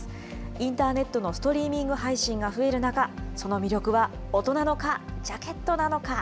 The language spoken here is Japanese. インターネットのストリーミング配信が増える中、その魅力は音なのか、ジャケットなのか。